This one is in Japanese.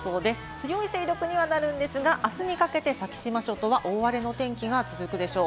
強い勢力にはなるんですが、あすにかけて先島諸島は大荒れの天気が続くでしょう。